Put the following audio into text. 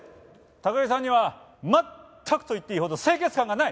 高木さんには全くと言っていいほど清潔感がない！